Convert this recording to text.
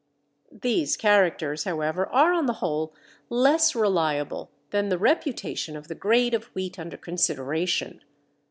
These characters, however, are on the whole less reliable than the reputation of the grade of wheat under consideration.